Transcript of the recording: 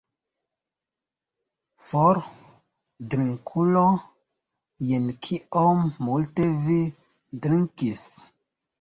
For, drinkulo, jen kiom multe vi drinkis!